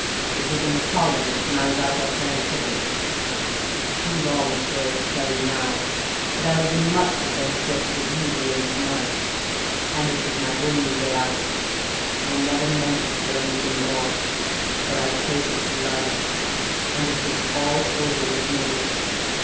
"It was in the Colonies, when I was out there playing cricket. It's too long a story to tell you now, but I was in much the same fix that you were in to night, and it was my only way out. I never meant it for anything more; but I'd tasted blood, and it was all over with me.